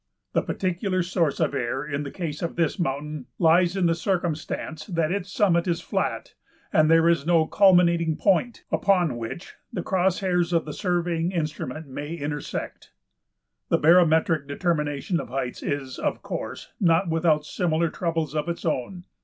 The particular source of error in the case of this mountain lies in the circumstance that its summit is flat, and there is no culminating point upon which the cross hairs of the surveying instrument may intersect. The barometric determination of heights is, of course, not without similar troubles of its own.